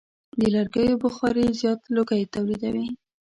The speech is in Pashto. د لرګیو بخاري زیات لوګی تولیدوي.